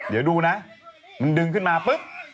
เดี๋ยวดูนะมันดึงขึ้นมาปุ๊บ